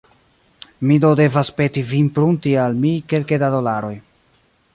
Mi do devas peti vin prunti al mi kelke da dolaroj.